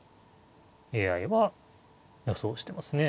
ＡＩは予想してますね。